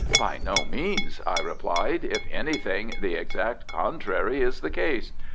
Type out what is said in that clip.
"By no means," I replied; "if anything, the exact contrary is the case.